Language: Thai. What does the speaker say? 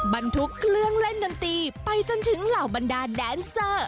บรรทุกเครื่องเล่นดนตรีไปจนถึงเหล่าบรรดาแดนเซอร์